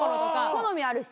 好みあるし。